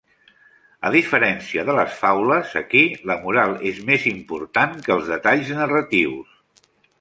A diferència de les faules, aquí la moral és més important que els detalls narratius.